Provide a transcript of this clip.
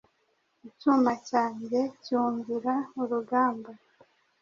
Icyuma cyanjye cyumvira urugamba